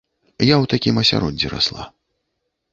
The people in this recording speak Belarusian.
Я ў такім асяроддзі расла.